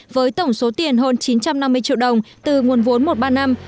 với tổng số tiền hơn chín trăm năm mươi triệu đồng từ nguồn vốn một ba năm